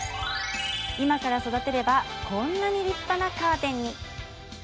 今から育てればこんな立派なカーテンに。